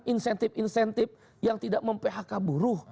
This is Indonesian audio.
insentif insentif yang tidak memphk buruh